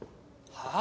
・はあ？